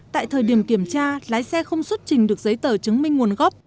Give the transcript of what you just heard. tại thời điểm kiểm tra lái xe không xuất trình được giấy tờ chứng minh nguồn gốc